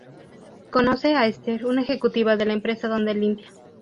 Conoce a Esther, una ejecutiva de la empresa donde limpia.